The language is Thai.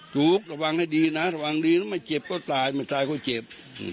ถูกระวังให้ดีนะระวังดีนะไม่เจ็บก็ตายไม่ตายก็เจ็บ